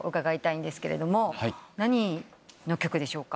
何の曲でしょうか？